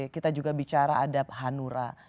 kita juga bicara adab hanura